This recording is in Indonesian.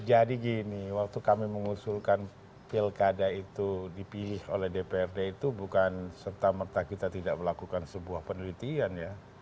jadi gini waktu kami mengusulkan pilkada itu dipilih oleh dprd itu bukan serta merta kita tidak melakukan sebuah penelitian ya